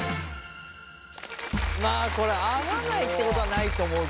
まあこれ合わないってことはないと思うけど。